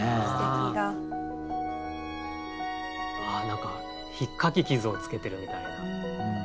何かひっかき傷をつけてるみたいな。